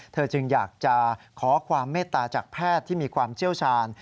จึงอยากจะขอความเมตตาจากแพทย์ที่มีความเชี่ยวชาญ